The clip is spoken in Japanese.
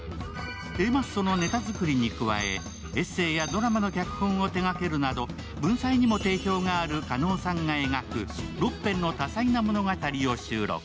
Ａマッソのネタ作りに加え、エッセーやドラマの脚本を手がけるなど文才にも定評がある加納さんが描く６編の多彩な物語を収録。